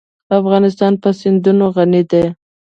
افغانستان په سیندونه غني دی.